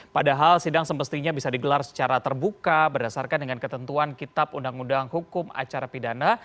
padahal sidang semestinya bisa digelar secara terbuka berdasarkan dengan ketentuan kitab undang undang hukum acara pidana